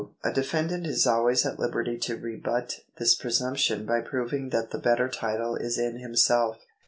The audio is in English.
A defendant is always at liberty to rebut this pre sumption by proving that the better title is in himself.